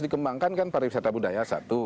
dikembangkan kan pariwisata budaya satu